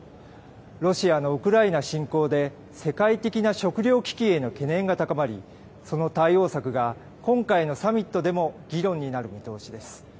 ロシアのウクライナ侵攻で、世界的な食料危機への懸念が高まり、その対応策が今回のサミットでも議論になる見通しです。